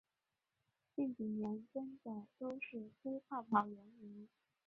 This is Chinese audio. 近几年真的都是吹泡泡元年